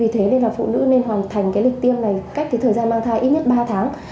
thế nên là phụ nữ nên hoàn thành lịch tiêm này cách thời gian mang thai ít nhất ba tháng